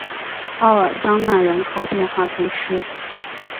奥尔桑讷人口变化图示